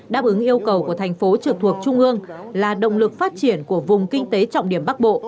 đáp ứng yêu cầu của thành phố trực thuộc trung ương là động lực phát triển của vùng kinh tế trọng điểm bắc bộ